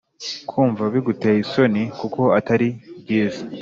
kumva biguteye isoni kuko Atari byiza